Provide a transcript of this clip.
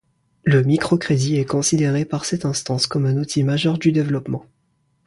Le microcrédit est considéré par cette instance comme un outil majeur du développement.